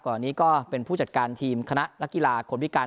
ก่อนนี้ก็เป็นผู้จัดการทีมคณะและกีฬา